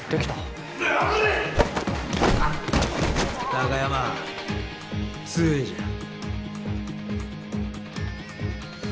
貴山強いじゃん。